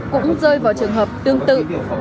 cũng rơi vào trường hợp tương tự